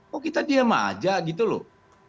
kok kita diem aja gitu loh